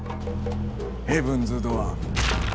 ヘブンズ・ドアー。